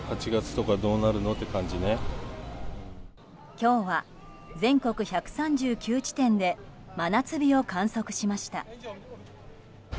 今日は全国１３９地点で真夏日を観測しました。